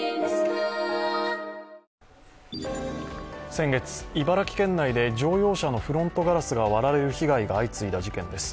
先月、茨城県内で乗用車のフロントガラスが割られる被害が相次いだ事件です。